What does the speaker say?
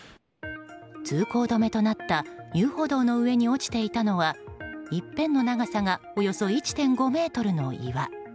通行止めとなった遊歩道の上に落ちていたのは一辺の長さがおよそ１．５ｍの岩。